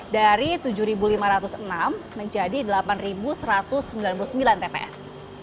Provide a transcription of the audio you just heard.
dari tujuh lima ratus enam menjadi delapan satu ratus sembilan puluh sembilan tps